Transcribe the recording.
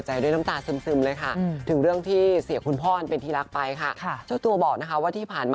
ไลฟ์สไตล์คือเป็นคนแบบชอบกิน